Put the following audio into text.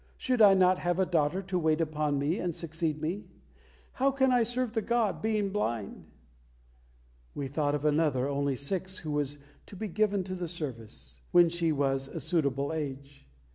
Should I not have a daughter to wait upon me and succeed me? How can I serve the god, being blind?" We thought of another, only six, who was to be given to the service "when she was a suitable age."